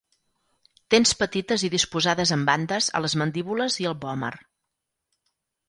Dents petites i disposades en bandes a les mandíbules i el vòmer.